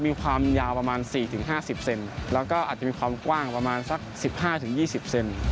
มีความยาวประมาณสี่ถึงห้าสิบเซนแล้วก็อาจจะมีความกว้างประมาณสักสิบห้าถึงยี่สิบเซน